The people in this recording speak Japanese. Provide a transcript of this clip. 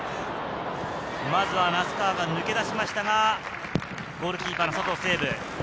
まずは名須川が抜け出しましたが、ゴールキーパーの佐藤がセーブ。